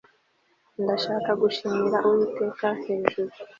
ndashaka gushimira uwiteka hejuru